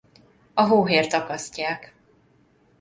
A hóhért akasztják.